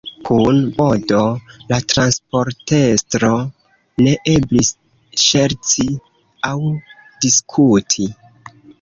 Kun Bodo, la transportestro, ne eblis ŝerci aŭ diskuti.